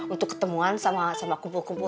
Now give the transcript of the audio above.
untuk ketemuan sama kumpul kumpul